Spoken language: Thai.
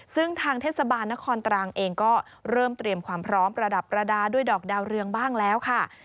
ซึ่งทางเทศบาลนครตรังเองก็เริ่มเตรียมความพร้อมประดับประดาษด้วยดอกดาวเรืองบ้างแล้วค่ะ